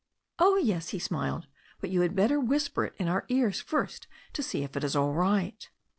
"Oh, yes," he smiled, "but you had better whisper it in our ears first to see if it is all right."